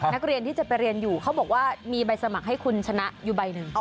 นักเรียนที่จะไปเรียนอยู่เขาบอกว่ามีใบสมัครให้คุณชนะอยู่ใบหนึ่ง